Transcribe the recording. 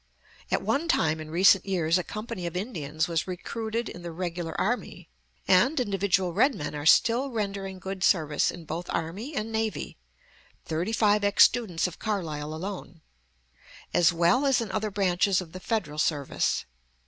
At one time in recent years a company of Indians was recruited in the regular army, and individual red men are still rendering good service in both army and navy (thirty five ex students of Carlisle alone), as well as in other branches of the Federal service.